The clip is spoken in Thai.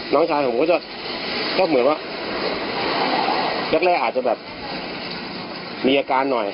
น้องชายผมก็จะเหมือนว่าแรกอาจจะแบบมีอาการหน่อย